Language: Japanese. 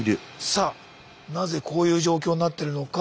さあなぜこういう状況になってるのか。